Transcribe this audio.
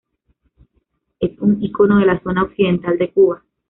Es un ícono de la zona occidental de Cuba.